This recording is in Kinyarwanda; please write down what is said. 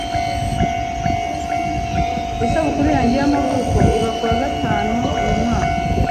Isabukuru yanjye y'amavuko iba kuwa gatanu uyu mwaka.